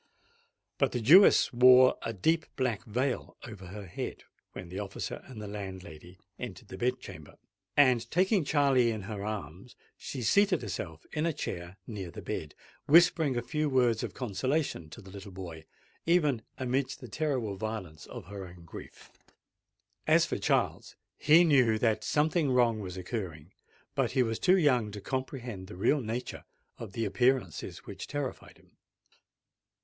But the Jewess wore a deep black veil over her head, when the officer and the landlady entered the bed chamber; and, taking Charley in her arms, she seated herself in a chair near the bed, whispering a few words of consolation to the little boy even amidst the terrible violence of her own grief. As for Charles, he knew that something wrong was occurring; but he was too young to comprehend the real nature of the appearances which terrified him.